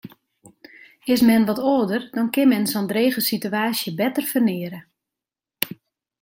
Is men wat âlder, dan kin men sa'n drege sitewaasje better ferneare.